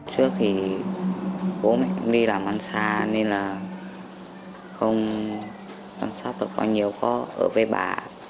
trước thì bố mẹ cũng đi làm ăn xà nên là không quan sát được bao nhiêu có ở với bà